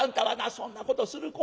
そんなことする子やない。